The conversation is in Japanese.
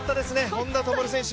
本多灯選手